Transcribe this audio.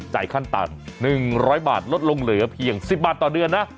ขั้นต่ำ๑๐๐บาทลดลงเหลือเพียง๑๐บาทต่อเดือนนะ